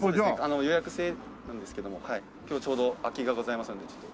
予約制なんですけども今日ちょうど空きがございますので。